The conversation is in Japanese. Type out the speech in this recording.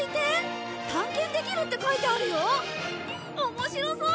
面白そう！